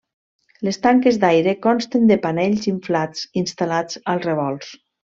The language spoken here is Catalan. Les tanques d'aire consten de panells inflats instal·lats als revolts.